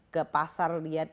ke pasar lihat